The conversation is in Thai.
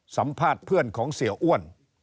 สัมภาษณ์เพื่อนของเสียอ้วน